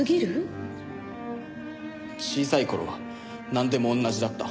小さい頃はなんでも同じだった。